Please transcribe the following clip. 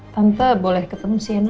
tante boleh ketemu sienna